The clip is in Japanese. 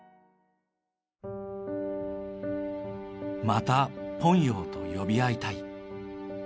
また「朋友」と呼び合いたい。